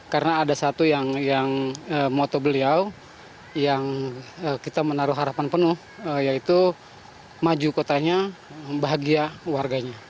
karena ada satu yang moto beliau yang kita menaruh harapan penuh yaitu maju kotanya bahagia warganya